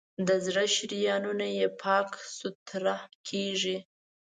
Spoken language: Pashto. د زړه شریانونه یې پاک سوتړه کېږي.